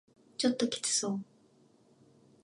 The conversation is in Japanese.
ちょっときつそう